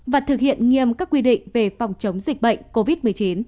và thực hiện nghiêm các quy định về phòng chống dịch bệnh covid một mươi chín